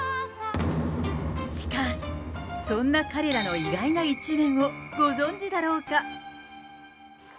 しかし、そんな彼らの意外な一面をご存じだろうか。